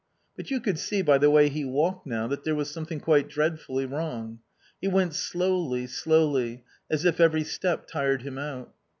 But you could see by the way he walked now that there was something quite dreadfully wrong. He went slowly, slowly, as if every step tired him out.